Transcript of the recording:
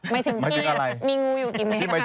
ไม่ถึงมีงูอยู่กี่เมตร